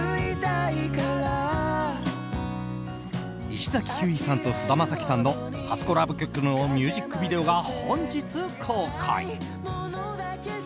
石崎ひゅーいさんと菅田将暉さんの初コラボ曲のミュージックビデオが本日公開。